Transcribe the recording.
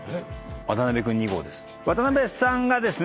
渡辺くん２号です。